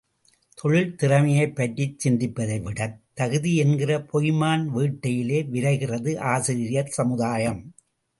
தொழில் திறமையைப் பற்றிச் சிந்திப்பதைவிடத் தகுதி என்கிற பொய்மான் வேட்டையிலே விரைகிறது ஆசிரியர் சமுதாயம்.